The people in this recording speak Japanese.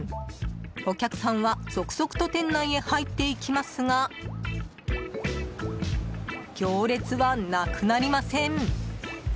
お客さんは続々と店内へ入っていきますが行列はなくなりません。